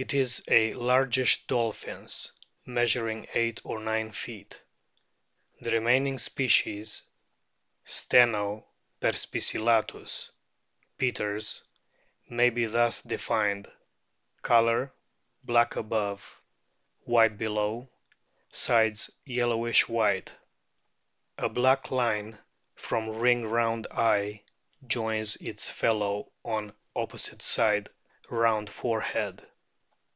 It is a largish dolphin, measuring eight or nine feet. The remaining species, Steno per spicillatus, Peters, f may be thus defined : Colour, black above, white below, sides yellowish white ; a black line from ring round eye joins its fellow on opposite side round forehead.